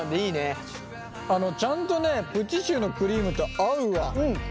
あのちゃんとねプチシューのクリームと合うわ。